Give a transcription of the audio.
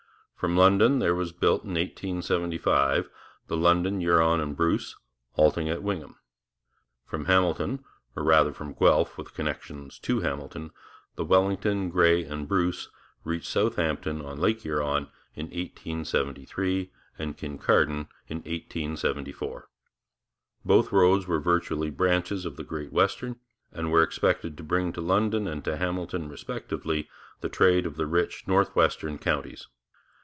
From London there was built in 1875 the London, Huron and Bruce, halting at Wingham. From Hamilton, or rather from Guelph, with connections to Hamilton, the Wellington, Grey and Bruce reached Southampton on Lake Huron in 1873 and Kincardine in 1874. Both roads were virtually branches of the Great Western, and were expected to bring to London and to Hamilton respectively the trade of the rich northwestern counties.